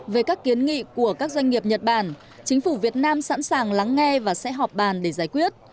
về các kiến nghị của các doanh nghiệp nhật bản chính phủ việt nam sẵn sàng lắng nghe và sẽ họp bàn để giải quyết